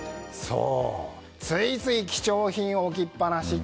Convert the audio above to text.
ついつい貴重品を置きっぱなし。